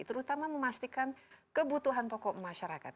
terutama memastikan kebutuhan pokok masyarakat